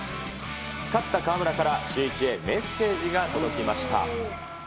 勝った河村から、シューイチへメッセージが届きました。